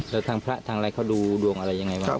แล้วทางพระทางอะไรเขาดูดวงอะไรยังไงบ้าง